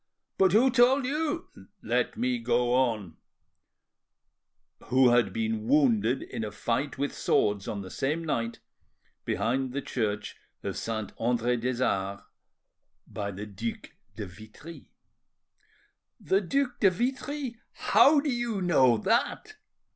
"But who told you—?" "Let me go on: who had been wounded in a fight with swords on the same night behind the church of Saint Andre des Arts by the Duc de Vitry." "The Duc de Vitry!—How do you know that?"